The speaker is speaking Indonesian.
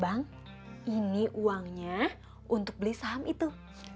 bang ini uangnya untuk beli saham itu